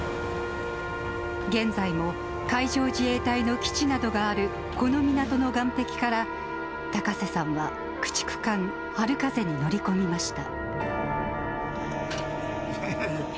現在も海上自衛隊の基地などがあるこの港の岸壁から、高瀬さんは駆逐艦春風に乗り込みました。